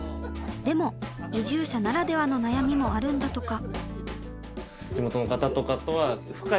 でも移住者ならではの悩みもあるんだとか。